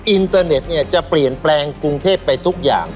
อินเตอร์เน็ตจะเปลี่ยนแปลงกรุงเทพไปทุกอย่าง